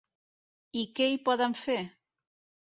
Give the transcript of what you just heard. I què hi poden fer?